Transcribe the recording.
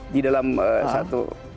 di dalam satu